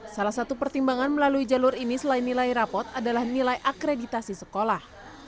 salah satu pertimbangan melalui jalur ini selain nilai rapot adalah nilai akreditasi sekolah